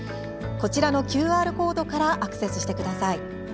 こちらのＱＲコードからアクセスしてください。